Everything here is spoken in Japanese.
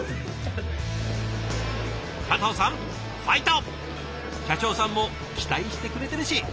加藤さんファイト！社長さんも期待してくれてるし！